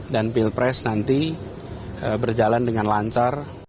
dan pil pres nanti berjalan dengan lancar